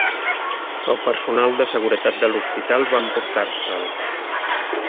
El personal de seguretat de l'hospital va emportar-se'l.